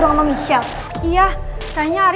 gasas ini bener